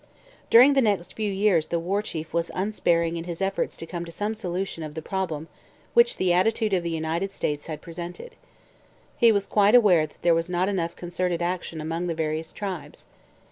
During the next few years the War Chief was unsparing in his efforts to come to some solution of the problem which the attitude of the United States had presented. He was quite aware that there was not enough concerted action among the various tribes.